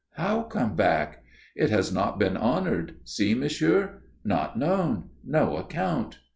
"How come back?" "It has not been honoured. See, monsieur. 'Not known. No account.'"